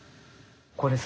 これさ